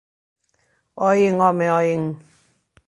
Oín, home, oín!